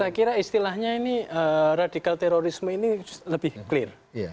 saya kira istilahnya ini radikal terorisme ini lebih clear